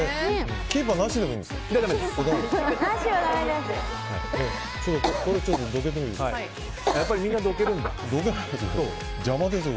キーパーなしでもいいですか？